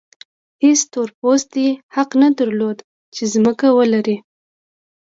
هېڅ تور پوستي حق نه درلود چې ځمکه ولري.